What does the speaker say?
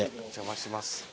お邪魔します。